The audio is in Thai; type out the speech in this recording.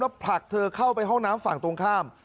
ผลักเธอเข้าไปห้องน้ำฝั่งตรงข้าม